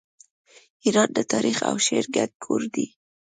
ایران د تاریخ او شعر ګډ کور دی.